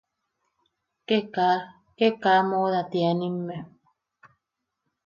Ke kaa, ke kaa mooda tianimme.